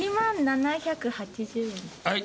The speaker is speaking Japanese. はい。